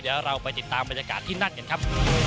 เดี๋ยวเราไปติดตามบรรยากาศที่นั่นกันครับ